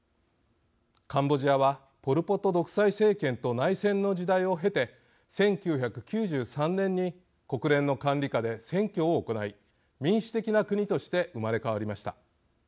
カンボジアはポル・ポト独裁政権と内戦の時代を経て１９９３年に国連の管理下で選挙を行い民主的な国として生まれ変わりました。